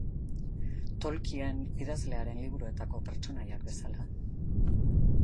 Tolkien idazlearen liburuetako pertsonaiak bezala.